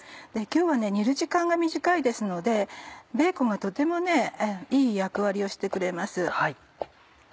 今日は煮る時間が短いですのでベーコンがとてもいい役割をしてくれます。